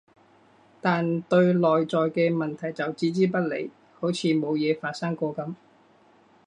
但對內在嘅問題就置之不理，好似冇嘢發生過噉